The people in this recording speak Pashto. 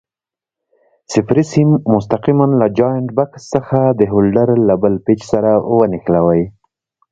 صفري سیم مستقیماً له جاینټ بکس څخه د هولډر له بل پېچ سره ونښلوئ.